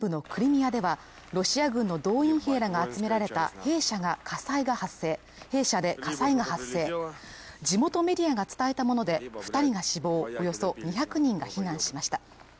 またウクライナ南部のクリミアではロシア軍の動員兵らが集められた兵舎で火災が発生地元メディアが伝えたもので二人が死亡およそ２００人が避難しました